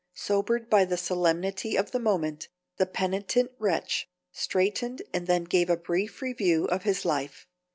Sobered by the solemnity of the moment the penitent wretch straightened and then gave a brief review of his life.